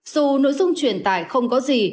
dù nội dung truyền tải không có gì